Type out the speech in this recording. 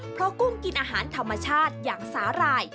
เพราะกุ้งกินอาหารธรรมชาติอย่างสาหร่าย